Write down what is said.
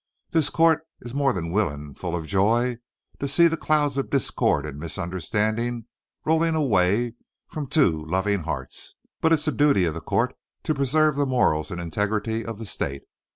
This co't is mo' than willin' and full of joy to see the clouds of discord and misunderstandin' rollin' away from two lovin' hearts, but it air the duty of the co't to p'eserve the morals and integrity of the State.